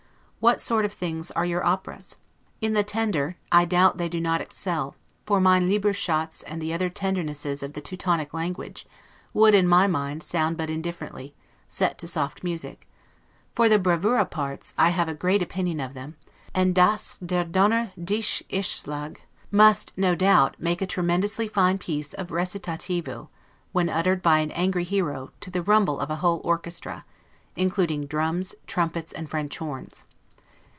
What sort of things are your operas? In the tender, I doubt they do not excel; for 'mein lieber schatz', and the other tendernesses of the Teutonic language, would, in my mind, sound but indifferently, set to soft music; for the bravura parts, I have a great opinion of them; and 'das, der donner dich erschlage', must no doubt, make a tremendously fine piece of 'recitativo', when uttered by an angry hero, to the rumble of a whole orchestra, including drums, trumpets, and French horns.